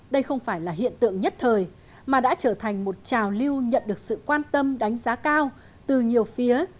đây không phải là hiện tượng nhất thời mà đã trở thành một trào lưu nhận được sự quan tâm đánh giá cao từ nhiều phía